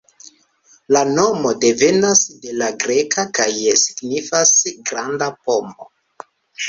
La nomo devenas de la greka kaj signifas "granda pomo".